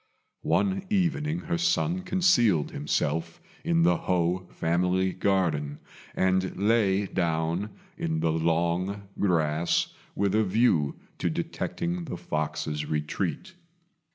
One evening her son concealed himself in the Ho family garden, and lay down in the long grass with a view to detecting the fox's retreat.